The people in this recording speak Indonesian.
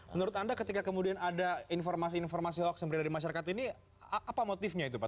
menurut anda ketika kemudian ada informasi informasi hoax yang berada di masyarakat ini apa motifnya itu pak